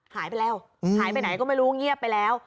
หายไปแล้วหายไปไหนก็ไม่รู้เงียบไปแล้ว